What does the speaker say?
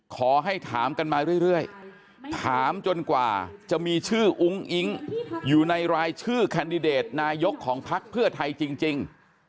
ขอให้ถามกันมาเรื่อยถามจนกว่าจะมีชื่ออุ๊งอิงค์อยู่ในรายชื่อขนราโยเบของคัลพ่อไทยจริง